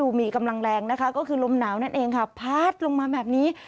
มีกำลังแรงนะคะก็คือลมหนาวนั่นเองค่ะพาดลงมาแบบนี้